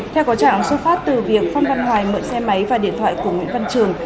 theo có trạng xuất phát từ việc phan văn hoài mượn xe máy và điện thoại của nguyễn văn trường